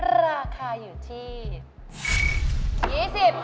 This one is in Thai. ราคาอยู่ที่